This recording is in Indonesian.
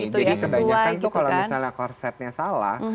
jadi kebanyakan tuh kalau misalnya korsetnya salah